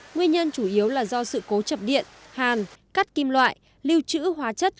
nguyên nhân chủ yếu là do sự cố chập điện hàn cắt kim loại lưu trữ hóa chất